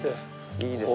いいですね。